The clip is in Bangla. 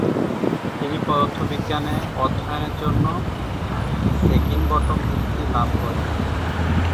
তিনি পদার্থবিজ্ঞানে অধ্যয়নের জন্য হেগিনবটম বৃত্তি লাভ করেন।